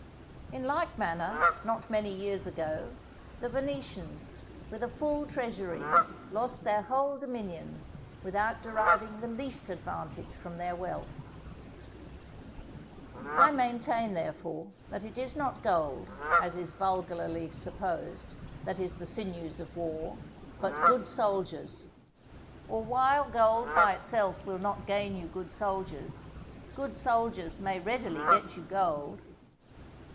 In like manner, not many years ago, the Venetians, with a full treasury, lost their whole dominions without deriving the least advantage from their wealth. I maintain, therefore, that it is not gold, as is vulgarly supposed, that is the sinews of war, but good soldiers; or while gold by itself will not gain you good soldiers, good soldiers may readily get you gold.